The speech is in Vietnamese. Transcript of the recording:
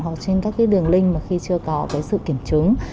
hoặc trên các đường link khi chưa có sự kiểm chứng